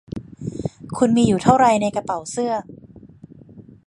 คุณมีอยู่เท่าไรในกระเป๋าเสื้อ